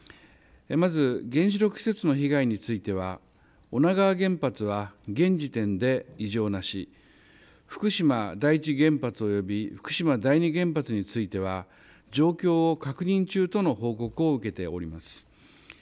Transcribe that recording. まず原子力施設の被害については女川原発は現時点で異常なし、福島第一原発および福島第二原発については状況を確認中との報告を受けております。